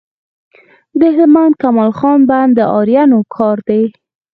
د هلمند کمال خان بند د آرینو کار دی